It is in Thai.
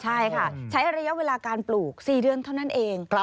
ใช่ค่ะใช้ระยะเวลาการปลูก๔เดือนเท่านั้นเอง